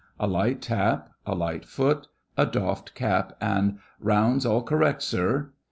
A light tap, a light foot, a doffed cap, and—'Rounds all correct, sir.